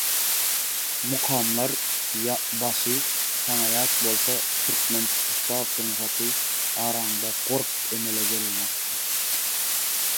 «Mukamlar başy» saňa ýat bolsa, türkmen tutuş saz sungaty bilen araňda gorp emele gelenokmy?